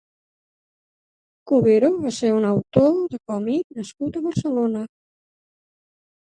Cubero va ser un autor de còmic nascut a Barcelona.